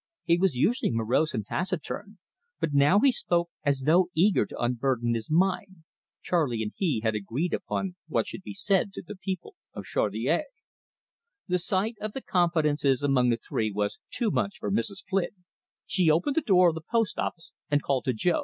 He was usually morose and taciturn, but now he spoke as though eager to unburden his mind Charley and he had agreed upon what should be said to the people of Chaudiere. The sight of the confidences among the three was too much for Mrs. Flynn. She opened the door of the post office and called to Jo.